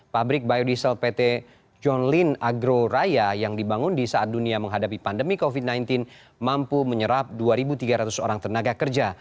pabrik biodiesel pt john lyn agro raya yang dibangun di saat dunia menghadapi pandemi covid sembilan belas mampu menyerap dua tiga ratus orang tenaga kerja